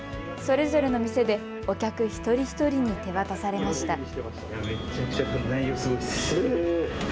それぞれの店でお客一人一人に手渡されました。